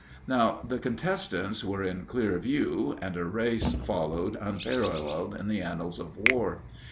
Now the contestants were in clear view, and a race followed unparalleled in the annals of war.